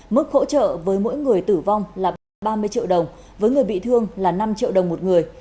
mức hỗ trợ với mỗi người tử vong là ba mươi triệu đồng với người bị thương là năm triệu đồng một người